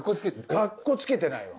かっこつけてないわ。